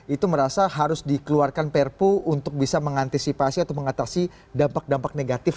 itu merasa harus dikeluarkan perpu untuk bisa mengantisipasi atau mengatasi dampak dampak negatif